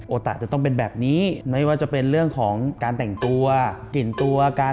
ตะจะต้องเป็นแบบนี้ไม่ว่าจะเป็นเรื่องของการแต่งตัวกลิ่นตัวการ